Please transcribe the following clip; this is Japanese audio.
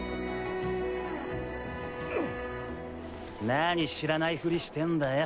何知らないふりしてんだよ。